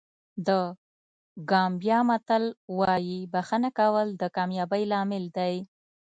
د ګامبیا متل وایي بښنه کول د کامیابۍ لامل دی.